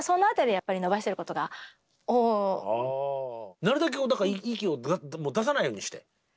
なるだけ息をグッと出さないようにして？